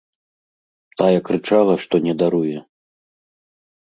Тая крычала, што не даруе.